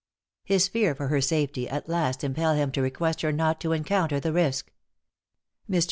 His fears for her safety at last impel him to request her not to encounter the risk. Mr.